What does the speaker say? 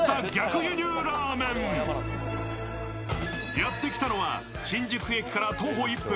やってきたのは新宿駅から徒歩１分。